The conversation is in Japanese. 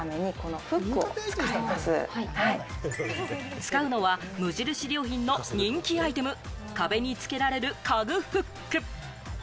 使うのは無印良品の人気アイテム、壁につけられる家具フック。